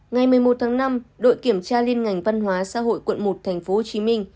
ngày một mươi một tháng năm đội kiểm tra liên ngành văn hóa xã hội quận một tp hcm